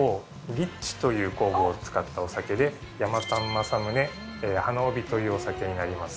リッチという酵母を使ったお酒で、「山丹正宗華帯」というお酒になります。